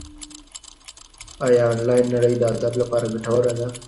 ایا انلاین نړۍ د ادب لپاره ګټوره ده؟